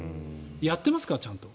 やってますか、ちゃんと。